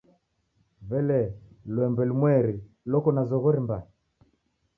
W'ele, lwembe lumweri loko na zoghori mbaa?